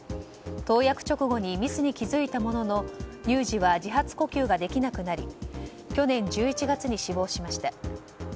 投薬直後にミスに気付いたものの乳児は自発呼吸ができなくなり去年１１月に死亡しました。